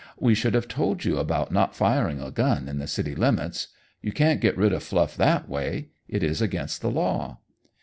We should have told you about not firing a gun in the city limits. You can't get rid of Fluff that way. It is against the law."